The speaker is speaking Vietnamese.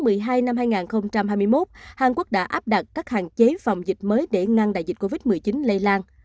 tháng một mươi hai năm hai nghìn hai mươi một hàn quốc đã áp đặt các hạn chế phòng dịch mới để ngăn đại dịch covid một mươi chín lây lan